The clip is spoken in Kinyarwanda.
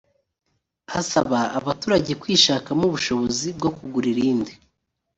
asaba abaturage kwishakamo ubushobozi bwo kugura irindi